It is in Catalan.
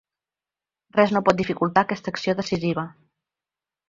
Res no pot dificultar aquesta acció decisiva.